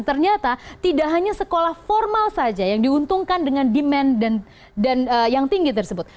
ternyata tidak hanya sekolah formal saja yang diuntungkan dengan demand yang tinggi tersebut